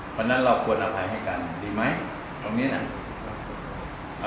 เพราะฉะนั้นเราควรอภัยให้กันดีไหมตรงเนี้ยน่ะ